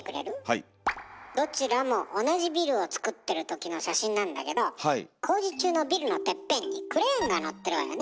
どちらも同じビルをつくってる時の写真なんだけど工事中のビルのテッペンにクレーンがのってるわよね？